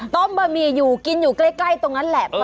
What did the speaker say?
บะหมี่อยู่กินอยู่ใกล้ตรงนั้นแหละ